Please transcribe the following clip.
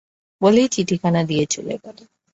বলেই চিঠিখানা দিয়ে চলে গেল।